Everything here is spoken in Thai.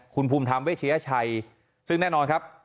คุณภูมิธรรมเวชยชัยซึ่งแน่นอนครับ